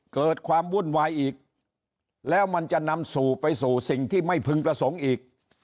เกิดความวุ่นวายอีกแล้วมันจะนำสู่ไปสู่สิ่งที่ไม่พึงประสงค์อีก